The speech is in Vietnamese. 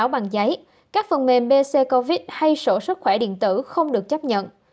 bằng giấy các phần mềm bc covid hay sổ sức khỏe điện tử không được chấp nhận